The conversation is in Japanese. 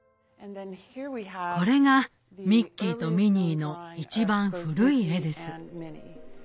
これがミッキーとミニーの一番古い絵です。